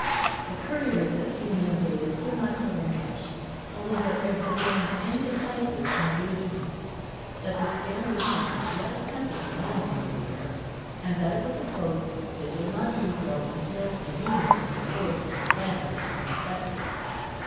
The couriers that came in daily could not tell them much; only that there had been indecisive engagements; that the Spaniards had not yet attempted a landing anywhere; and that it was supposed that they would not do so until a union with the force in Flanders had been effected.